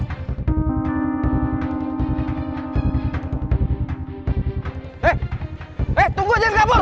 hei hei tunggu aja yang kabur